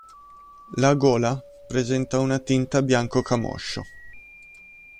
La gola presenta una tinta bianco-camoscio.